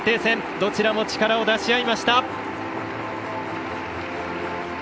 どちらも力を出し合いました。